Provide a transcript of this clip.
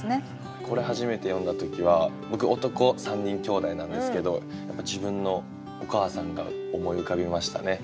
これ初めて読んだ時は僕男３人兄弟なんですけどやっぱ自分のお母さんが思い浮かびましたね。